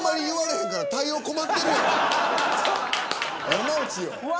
山内よ。